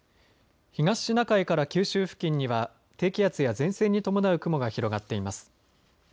東シナ海から九州付近には低気圧や前線に伴う雲が広がっています。